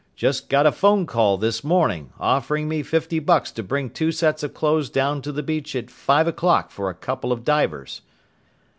Just got a phone call this morning, offering me fifty bucks to bring two sets of clothes down to the beach at five o'clock for a couple of divers."